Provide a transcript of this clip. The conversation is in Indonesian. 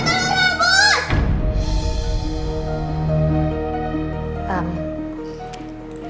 aku mau telur rebus